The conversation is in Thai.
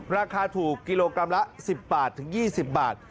ราคาถูกกิโลกรัมละ๑๐บาทถึง๒๐บาท